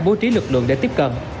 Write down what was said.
bố trí lực lượng để tiếp cận